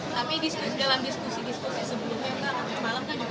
tapi dalam diskusi diskusi sebelumnya kak malam tadi juga ada pertemuan di tepunga